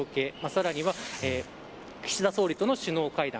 さらには岸田総理との首脳会談。